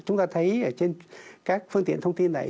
chúng ta thấy ở trên các phương tiện thông tin này